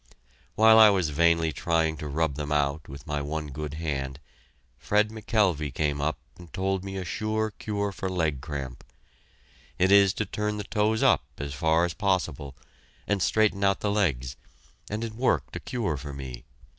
While I was vainly trying to rub them out with my one good hand, Fred McKelvey came up and told me a sure cure for leg cramp. It is to turn the toes up as far as possible, and straighten out the legs, and it worked a cure for me.